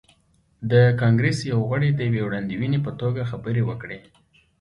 د کانګریس یو غړي د یوې وړاندوینې په توګه خبرې وکړې.